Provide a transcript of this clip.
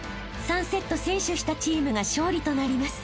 ［３セット先取したチームが勝利となります］